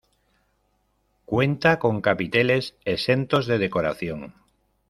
Cuenta con capiteles exentos de decoración.